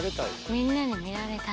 みんなに見られたい？